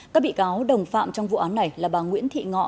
các bị cáo đồng phạm trong vụ án này là bà nguyễn thị ngọ